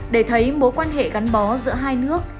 để thấy mối quan hệ gắn bó giữa hai nước